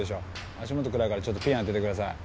足元暗いからちょっとピン当ててください。